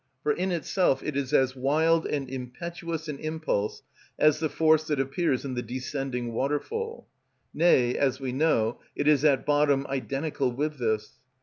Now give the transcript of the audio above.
for in itself it is as wild and impetuous an impulse as the force that appears in the descending waterfall, nay, as we know, it is at bottom identical with this.